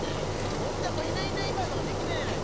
こんな子いないいないばあとかできないやないか。